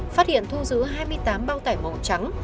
phát hiện thu giữ hai mươi tám bao tải màu trắng